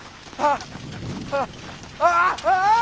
ああ！